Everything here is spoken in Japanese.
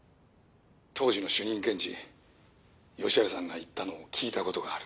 当時の主任検事吉原さんが言ったのを聞いたことがある。